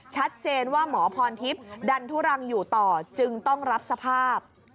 ชัดเจนว่าหมอพรทิพย์ดันทุรังอยู่ต่อจึงต้องรับสภาพ